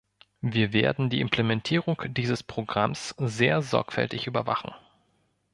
Wir werden die Implementierung dieses Programms sehr sorgfältig überwachen.